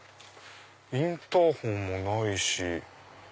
インターホンもないし。